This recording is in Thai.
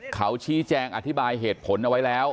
เขาชี้แจงอธิบายเหตุผลเอาไว้แล้ว